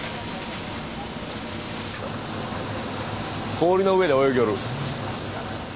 氷の上で泳ぎよる。